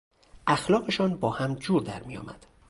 اخلاقشان با هم جور درمیآمد.